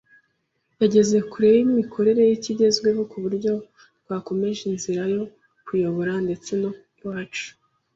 yageze kure yimikorere yikigezweho kuburyo twakomeje inzira yo kuyobora ndetse no iwacu